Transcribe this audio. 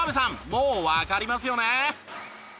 もうわかりますよね？